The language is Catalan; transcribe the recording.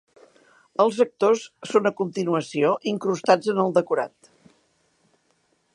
Els actors són a continuació incrustats en el decorat.